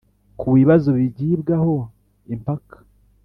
ku bibazo bigibwaho impaka